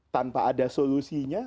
tanpa ada solusinya